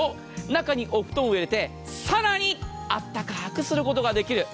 中にお布団を入れてさらにあったかくすることができる。